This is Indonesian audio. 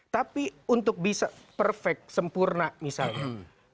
tapi untuk bisa perfect sempurna misalnya